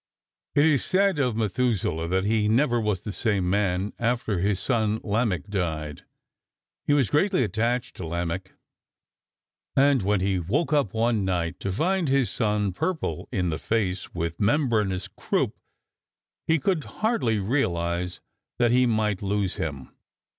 It is said of Methuselah that he never was the same man after his son Lamech died. He was greatly attached to Lamech, and when he woke up one night to find his son purple in the face with membraneous croup he could hardly realize that he might lose him.